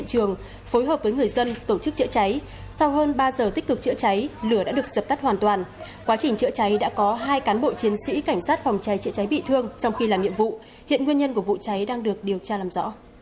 những nguyên nhân của vụ cháy đang được điều tra làm rõ